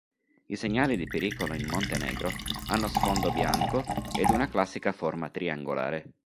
I segnali di pericolo in Montenegro hanno sfondo bianco ed una classica forma triangolare.